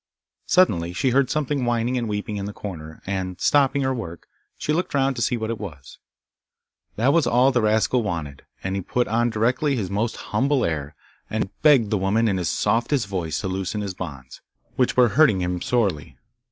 Suddenly she heard something whining and weeping in the corner, and, stopping her work, she looked round to see what it was. That was all that the rascal wanted, and he put on directly his most humble air, and begged the woman in his softest voice to loosen his bonds, which her hurting him sorely.